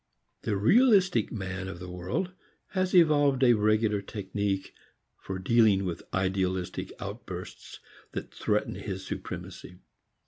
The realistic man of the world has evolved a regular technique for dealing with idealistic outbursts that threaten his supremacy.